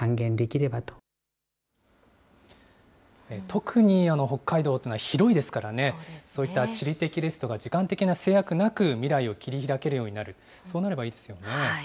特に北海道っていうのは広いですからね、そういった地理的ですとか、時間的な制約なく、未来を切り開けるようになる、そうなればいいですよね。